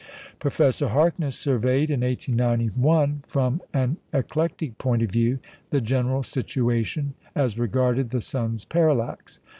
Professor Harkness surveyed in 1891, from an eclectic point of view, the general situation as regarded the sun's parallax.